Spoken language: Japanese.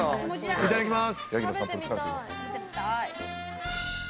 いただきます。